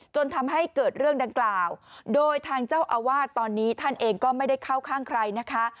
จนทำให้เกิดเรื่องดังกล่าวโดยทางเจ้าอาวาสตอนนี้ท่านเองก็ไม่ได้เข้าข้างใครนะคะ